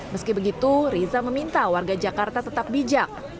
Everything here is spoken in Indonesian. meski begitu riza meminta warga jakarta tetap bijak